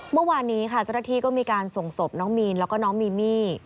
เมื่อวานนี้ค่ะเจ้าหน้าที่ก็มีการส่งศพน้องมีนแล้วก็น้องมีมี่